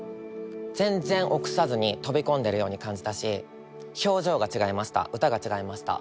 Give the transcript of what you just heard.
全然臆さずに飛び込んでるように感じたし表情が違いました歌が違いました。